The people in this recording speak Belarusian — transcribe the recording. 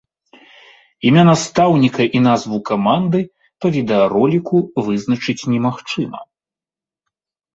Імя настаўніка і назву каманды па відэароліку вызначыць немагчыма.